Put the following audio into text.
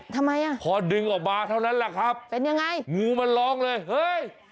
ทำไมอ่ะพอดึงออกมาเท่านั้นแหละครับเป็นยังไงงูมันร้องเลยเฮ้ย